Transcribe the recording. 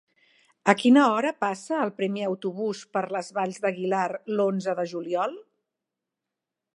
A quina hora passa el primer autobús per les Valls d'Aguilar l'onze de juliol?